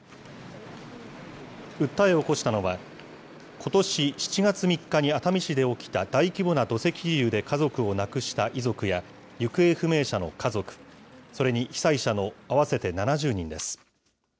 訴えを起こしたのは、ことし７月３日に熱海市で起きた大規模な土石流で家族を亡くした遺族や、行方不明者の家族、それに被災者の合わせて７０人です。